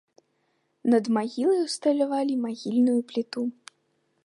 Над магілай усталявалі магільную пліту.